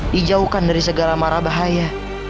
dijauhkan dari segala marah bahaya